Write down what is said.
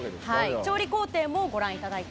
調理工程もご覧いただいて。